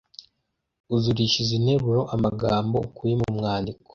Uzurisha izi nteruro amagambo ukuye mu mwandiko